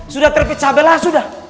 sudah terpijabalah sudah